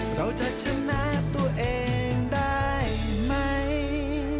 เราจะชนะตัวเองได้ไหม